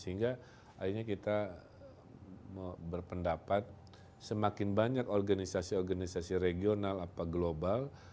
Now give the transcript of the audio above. sehingga akhirnya kita berpendapat semakin banyak organisasi organisasi regional atau global